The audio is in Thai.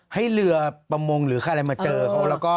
ให้เรือประมงหรือข้าวไรมันมาเจอเขาแล้วก็